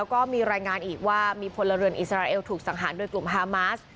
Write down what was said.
ก็มีรายงานอีกว่ามีพลเรือนอิสราเอลถูกสังหารโดยกลุ่มฮามาส